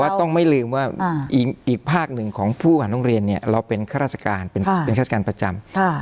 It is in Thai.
แต่ว่าต้องไม่ลืมว่าอีกภาคหนึ่งของผู้อาหารโรงเรียนเนี่ยเราเป็นฆาตราสการเป็นฆาตราสการประจำค่ะ